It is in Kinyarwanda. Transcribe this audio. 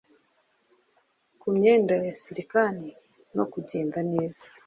Ku myenda ya silikani no kugenda neza